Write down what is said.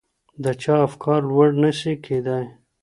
د چا افکار لوړ نه سي کیدای؟